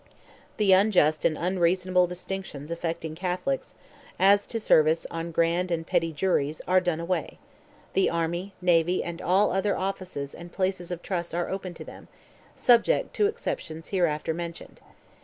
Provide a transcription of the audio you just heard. The unjust and unreasonable distinctions affecting Catholics, as to service on grand and petty juries, are done away; the army, navy, and all other offices and places of trust are opened to them, subject to exceptions hereafter mentioned.